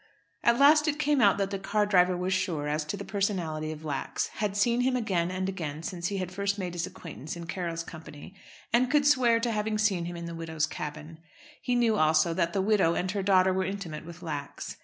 At last it came out that the car driver was sure as to the personality of Lax, had seen him again and again since he had first made his acquaintance in Carroll's company, and could swear to having seen him in the widow's cabin. He knew also that the widow and her daughter were intimate with Lax.